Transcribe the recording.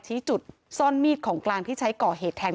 ชี้จุดซ่อนมีดของกลางที่ใช้ก่อเหตุแทง